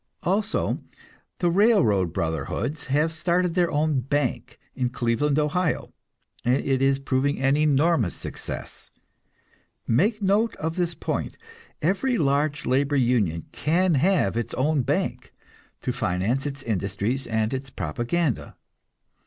Also, the railroad brotherhoods have started their own bank, in Cleveland, Ohio, and it is proving an enormous success. Make note of this point; every large labor union can have its own bank, to finance its industries and its propaganda.